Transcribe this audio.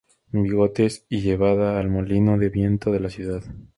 Bigotes y llevada al molino de viento de la ciudad.